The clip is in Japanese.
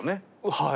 はい。